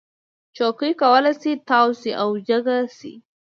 چوکۍ کولی شي تاو شي او جګ شي.